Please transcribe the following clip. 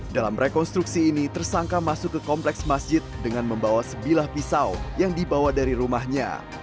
dalam rekonstruksi ini tersangka masuk ke kompleks masjid dengan membawa sebilah pisau yang dibawa dari rumahnya